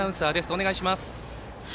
お願いします。